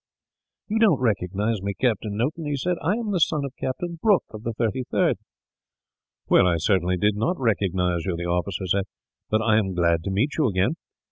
"You don't recognize me, Captain Noton," he said. "I am the son of Captain Brooke, of the 33rd." "I certainly did not recognize you," the officer said, "but I am glad to meet you again.